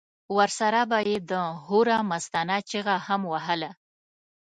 ورسره به یې د هورا مستانه چیغه هم وهله.